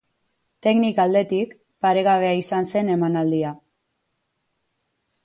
Teknika aldetik, paregabea izan zen emanaldia.